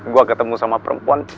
gue ketemu sama perempuan